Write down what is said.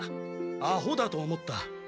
アホだと思った。